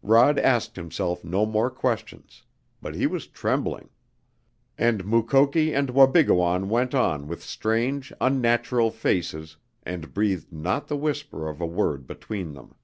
Rod asked himself no more questions. But he was trembling. And Mukoki and Wabigoon went on with strange, unnatural faces and breathed not the whisper of a word between them.